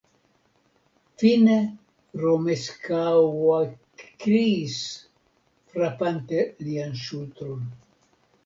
Fine Romeskaŭ ekkriis, frapante lian ŝultron.